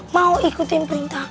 mau ikutin perintah